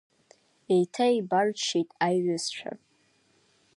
Еиҭа еибарччеит аиҩызцәа.